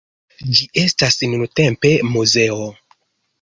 Ĝi estas nuntempe muzeo.